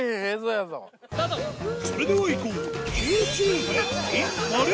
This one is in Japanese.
それではいこう！